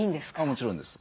もちろんです。